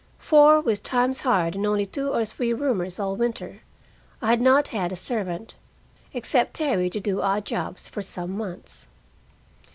For, with times hard and only two or three roomers all winter, I had not had a servant, except Terry to do odd jobs, for some months.